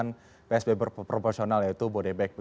yang psb proporsional yaitu bodebek